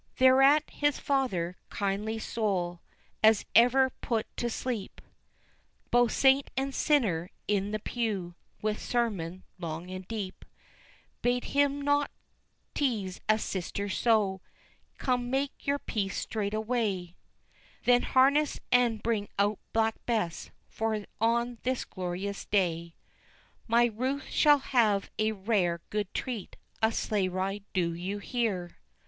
Thereat his father kindly soul as ever put to sleep Both saint and sinner in the pew, with sermon long and deep Bade him not tease a sister so, "Come, make your peace straightway, Then harness and bring out Black Bess, for on this glorious day My Ruth shall have a rare, good treat a sleigh ride, do you hear?